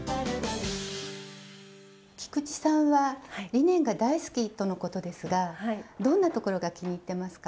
菊池さんはリネンが大好きとのことですがどんなところが気に入ってますか？